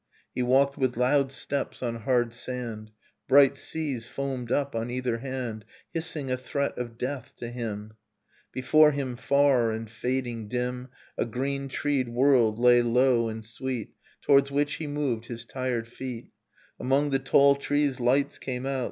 ,.. He walked with loud steps on hard sand. j Bright seas foamed up on either hand, ' Hissing a threat of death to him ... Before him, far, and fading dim, i A green treed world lay low and sweet Towards which he moved his tired feet. \ Among the tall trees lights came out.